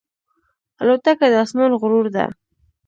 الوتکه د آسمان غرور ده.